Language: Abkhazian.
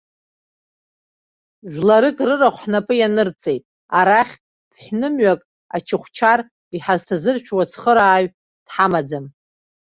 Жәларык рырахә ҳнапы ианырҵеит, арахь ԥҳәнымҩак ачыхәчар иҳазҭазыршәуа цхырааҩ дҳамаӡам.